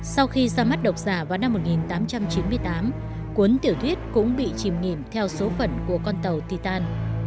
sau khi ra mắt độc giả vào năm một nghìn tám trăm chín mươi tám cuốn tiểu thuyết cũng bị chìm nghỉm theo số phận của con tàu titan